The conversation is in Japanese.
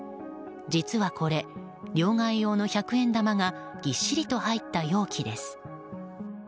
実はこれ、両替用の百円玉がぎっしりと入った容器です。